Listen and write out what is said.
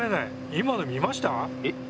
今の見ました？